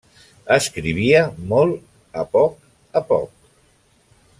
Escrivia molt a poc a poc.